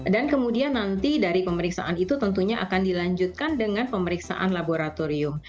dan kemudian nanti dari pemeriksaan itu tentunya akan dilanjutkan dengan pemeriksaan laboratorium